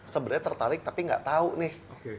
sebenarnya tertarik tapi nggak tahu nih